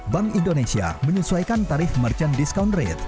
bank indonesia menyesuaikan tarif merchant discount rate